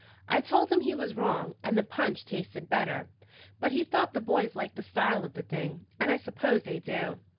I told him he was wrong, and the punch tasted better; but he thought the boys liked the style of the thing, and I suppose they do.